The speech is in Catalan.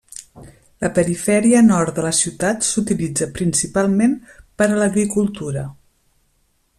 La perifèria nord de la ciutat s'utilitza principalment per a l'agricultura.